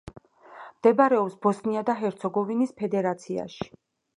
მდებარეობს ბოსნია და ჰერცეგოვინის ფედერაციაში.